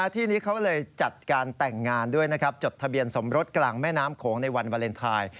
ที่นี้เขาเลยจัดการแต่งงานด้วยนะครับจดทะเบียนสมรสกลางแม่น้ำโขงในวันวาเลนไทย